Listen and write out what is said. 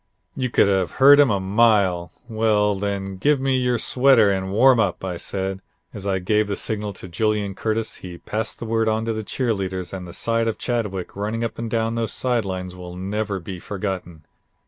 "You could have heard him a mile. 'Well then, give me your sweater and warm up,' I said, and as I gave the signal to Julian Curtis, he passed the word on to the cheer leaders and the sight of Chadwick running up and down those side lines will never be forgotten.